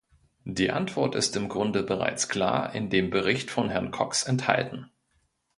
Die Antwort ist im Grunde bereits klar in dem Bericht von Herrn Cox enthalten.